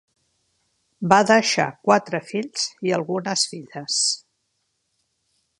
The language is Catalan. Va deixar quatre fills i algunes filles.